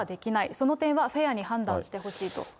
その点はフェアに判断してほしいと。